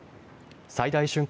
最大瞬間